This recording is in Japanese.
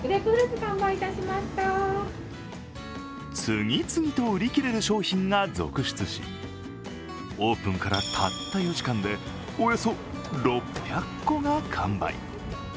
次々と売り切れる商品が続出しオープンからたった４時間でおよそ６００個が完売。